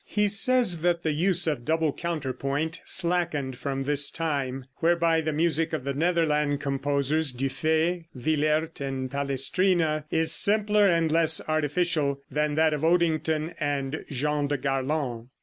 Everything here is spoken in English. He says that the use of double counterpoint slackened from this time, whereby the music of the Netherland composers Dufay, Willaert and Palestrina is simpler and less artificial than that of Odington and Jean de Garland.